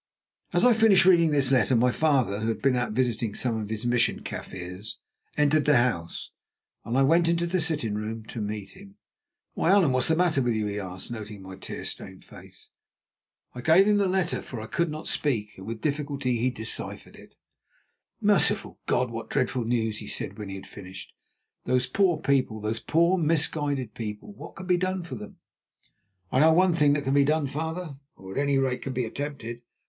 As I finished reading this letter my father, who had been out visiting some of his Mission Kaffirs, entered the house, and I went into the sitting room to meet him. "Why, Allan, what is the matter with you?" he asked, noting my tear stained face. I gave him the letter, for I could not speak, and with difficulty he deciphered it. "Merciful God, what dreadful news!" he said when he had finished. "Those poor people! those poor, misguided people! What can be done for them?" "I know one thing that can be done, father, or at any rate can be attempted.